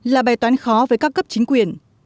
là bài toán khó với các cấp chính quyền